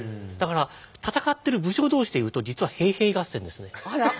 だから戦ってる武将同士でいうと実は平平合戦ですね。